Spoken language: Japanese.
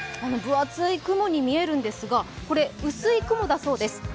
分厚い雲に見えるんですがこれ薄い雲だそうです。